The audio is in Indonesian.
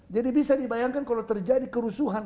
jadi bisa dibayangkan kalau terjadi kerusuhan